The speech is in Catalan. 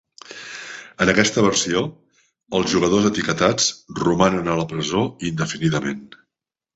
En aquesta versió, els jugadors etiquetats romanen a la presó indefinidament.